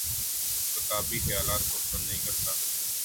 کتابی خیالات کو پسند نہیں کرتا